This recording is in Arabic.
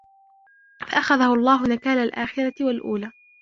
فَأَخَذَهُ اللَّهُ نَكَالَ الْآخِرَةِ وَالْأُولَى